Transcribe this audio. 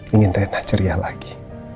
ingin rena ceria lagi